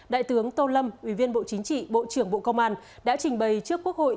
đại tướng tô lâm ủy viên bộ chính trị bộ trưởng bộ công an đã trình bày trước quốc hội